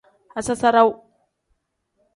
Asasarawu.